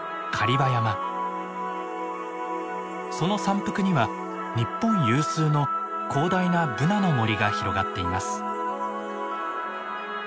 その山腹には日本有数の広大なブナの森が広がっています。